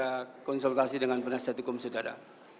saya konsultasi dengan penasihat hukum saudara